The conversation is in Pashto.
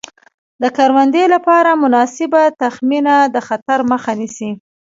د کروندې لپاره مناسبه تخمینه د خطر مخه نیسي.